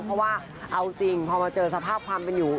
เพราะว่าเอาจริงพอมาเจอสภาพความเป็นอยู่